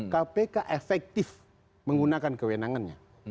kpk efektif menggunakan kewenangannya